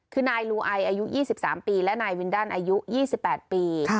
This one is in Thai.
คือนายลูไออายุ๒๓ปีและนายวินดันอายุ๒๘ปี